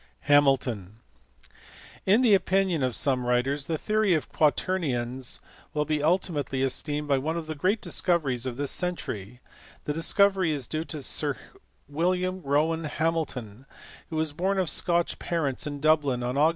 Hamilton*. In the opinion of some writers, the theory of quaternions will be ultimately esteemed one of the great discoveries of this century : that discovery is due to Sir William Rowan Hamilton, who was born of Scotch parents in Dublin on Aug.